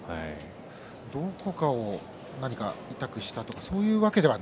どこかを何か痛くしたとかいうわけでは？